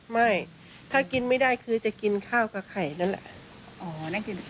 ไม่ถ้ากินไม่ได้คือจะกินข้าวกับไข่นั่นแหละ